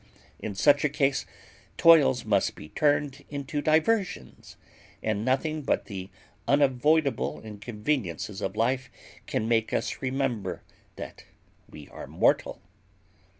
In such a case toils must be turned into diversions, and nothing but the unavoidable inconveniences of life can make us remember that we are mortal.